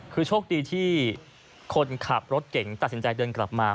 คือโชคดีที่คนขับรถเก่งตัดสินใจเดินกลับมา